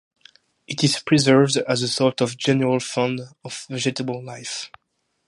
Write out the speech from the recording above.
It is preserved as a sort of general fund of vegetable life.